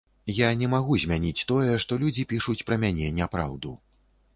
Я не магу змяніць тое, што людзі пішуць пра мяне няпраўду.